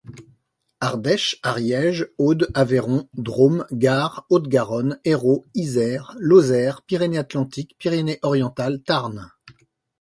Ardèche, Ariège, Aude, Aveyron, Drôme, Gard, Haute-Garonne, Hérault, Isère, Lozère, Pyrénées-Atlantiques, Pyrénées-Orientales, Tarn.